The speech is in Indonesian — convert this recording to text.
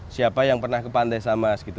siapa yang pernah ke pantai samas gitu